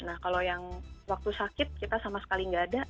nah kalau yang waktu sakit kita sama sekali nggak ada